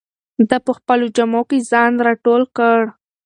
ده په خپلو جامو کې ځان راټول کړ.